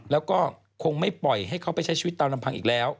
แล้วก็คงไม่ปล่อยให้เขาไปใช้ชีวิตตามลำพังอีกแล้ว